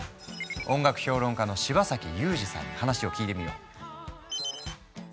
音楽評論家の柴崎祐二さんに話を聞いてみよう。